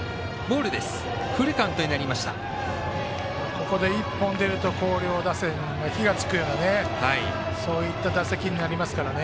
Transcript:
ここで１本出ると広陵打線に火がつくようなそういった打席になりますからね。